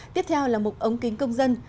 tiếp theo là một ống kính công dân